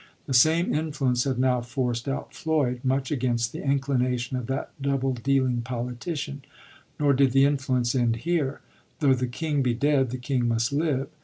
The same influence had now forced out Floyd, much against the inclination of that double dealing poli tician. Nor did the influence end here. Though the king be dead, the king must live.